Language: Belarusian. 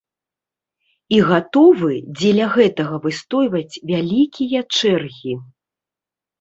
І гатовы дзеля гэтага выстойваць вялікія чэргі.